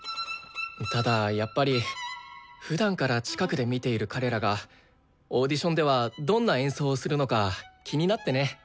ただやっぱりふだんから近くで見ている彼らがオーディションではどんな演奏をするのか気になってね。